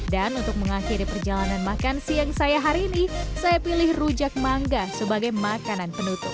dan untuk mengakhiri perjalanan makan siang saya hari ini saya pilih rujak mangga sebagai makanan penutup